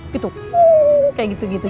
gitu kayak gitu gitu